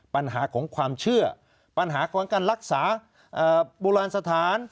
ปัญหาของความเชื่อปัญหาของการรักษาโบราณสถาน